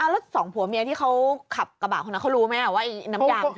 แล้วสองผัวเมียที่เขาขับกระบะคนนั้นเขารู้ไหมว่าน้ำยาง